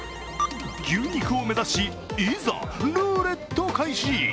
牛肉を目指し、いざルーレット開始。